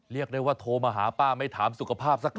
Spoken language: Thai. เรียกได้ว่าโทรมาหาป้าไม่ถามสุขภาพสักที